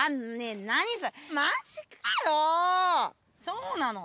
そうなの？